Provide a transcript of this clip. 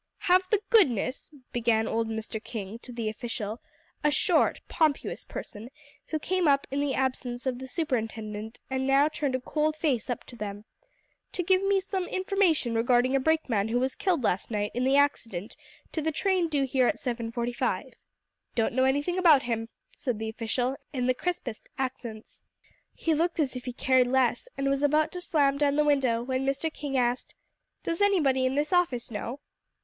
"Have the goodness," began old Mr. King to the official, a short, pompous person who came up in the absence of the superintendent and now turned a cold face up to them, "to give me some information regarding a brakeman who was killed last night in the accident to the train due here at 7.45." "Don't know anything about him," said the official in the crispest accents. He looked as if he cared less, and was about to slam down the window, when Mr. King asked, "Does anybody in this office know?"